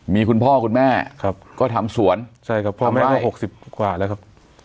มีคุณพ่อคุณแม่ครับก็ทำสวนใช่ครับพ่อแม่ก็หกสิบกว่าแล้วครับ